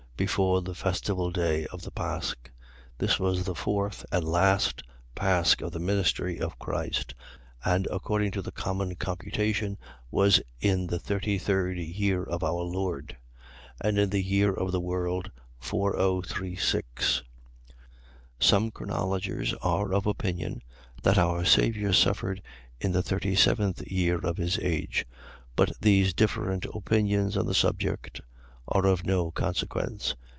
Before the festival day of the pasch. . .This was the fourth and last pasch of the ministry of Christ, and according to the common computation, was in the thirty third year of our Lord: and in the year of the world 4036. Some chronologers are of opinion that our Saviour suffered in the thirty seventh year of his age: but these different opinions on this subject are of no consequence.